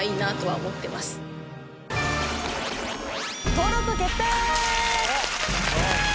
登録決定！